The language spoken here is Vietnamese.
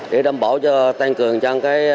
để đảm bảo cho tăng cường chân